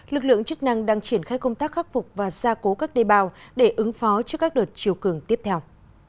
lực lượng chức năng đang triển khai công tác khắc phục và gia cố các đê bào để ứng phó trước các đợt chiều cường tiếp theo